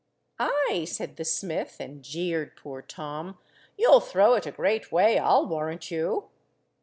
"Ay," said the smith, and jeered poor Tom. "You'll throw it a great way, I'll warrant you."